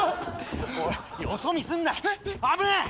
おいよそ見すんな危ねえ！